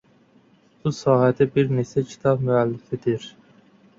Bu sahədə bir neçə kitab müəllifidir.